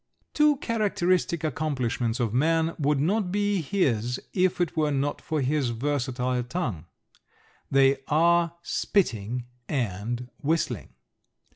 Two characteristic accomplishments of man would not be his if it were not for his versatile tongue; they are spitting and whistling.